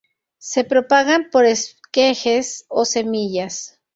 Se propagan por esquejes o semillas.